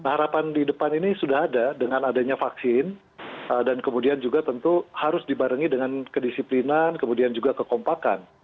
harapan di depan ini sudah ada dengan adanya vaksin dan kemudian juga tentu harus dibarengi dengan kedisiplinan kemudian juga kekompakan